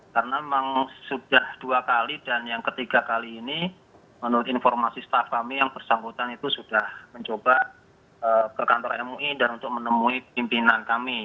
karena memang sudah dua kali dan yang ketiga kali ini menurut informasi staff kami yang bersangkutan itu sudah mencoba ke kantor mui dan untuk menemui pimpinan kami